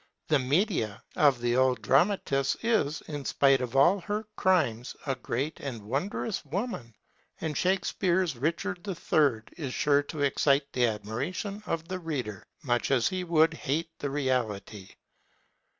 The Medea of the old dramatists is, in spite of all her crimes, a great and wondrous woman, and Shakespeare's Richard III. is sure to excite the admiration of the reader, much as he would hate the reality.